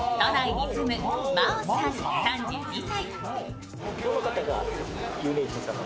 都内に住む昌大さん、３２歳。